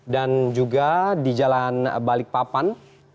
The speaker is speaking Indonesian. dan juga di jalan balikpapan